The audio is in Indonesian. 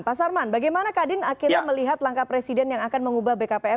pak sarman bagaimana kadin akhirnya melihat langkah presiden yang akan mengubah bkpm